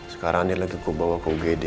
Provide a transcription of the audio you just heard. sekarang andin lagi kebawah ke ugd